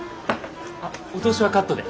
あっお通しはカットで。